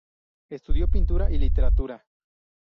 Estudió pintura y literatura.